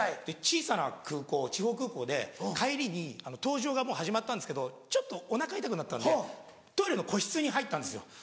小さな空港地方空港で帰りに搭乗がもう始まったんですけどちょっとお腹痛くなったんでトイレの個室に入ったんですよ。